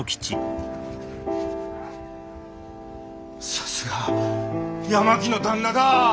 さすが八巻の旦那だ！